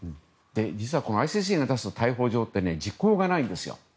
実はＩＣＣの出した逮捕状って時効がないんですよ。